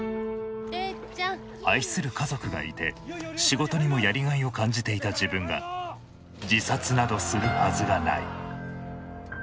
愛する家族がいて仕事にもやりがいを感じていた自分が自殺などするはずがない。